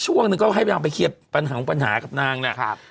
ช่วงนึงก็ก็ให้บังพันธุ์มาเกียปัญหาอะไรกับนางนะครับ